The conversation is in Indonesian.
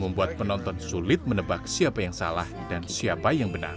membuat penonton sulit menebak siapa yang salah dan siapa yang benar